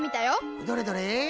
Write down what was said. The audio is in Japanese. どれどれ？